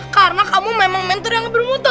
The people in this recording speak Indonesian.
karena kamu memang mentor yang bermutu